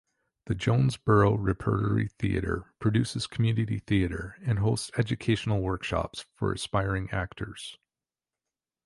The Jonesborough Repertory Theatre produces community theater and hosts educational workshops for aspiring actors.